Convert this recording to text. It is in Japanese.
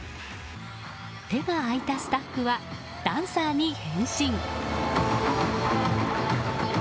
手が空いたスタッフはダンサーに変身。